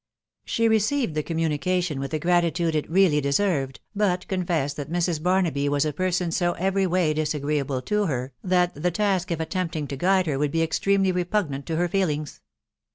She received the communication with the gratitude it really deserved, but confessed that Mrs. Bsr naby was a person so every way disagreeable to her, that the task of attempting to guide her would be extremely repugnant to her feelings.